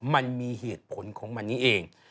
มันมีเหตุผลของมันนี้เอง